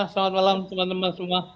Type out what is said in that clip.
selamat malam teman teman semua